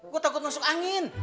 gue takut masuk angin